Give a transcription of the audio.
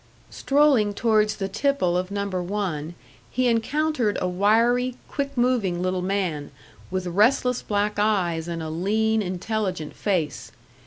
Strolling towards the tipple of Number One, he encountered a wiry, quick moving little man, with restless black eyes and a lean, intelligent face.